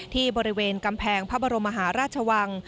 ที่บริเวณกำแพงพระบรมมหาราชวัง